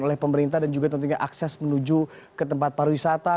oleh pemerintah dan juga tentunya akses menuju ke tempat pariwisata